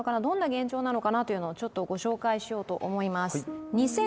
どんな現状なのかなというのをちょっとご紹介しようと思います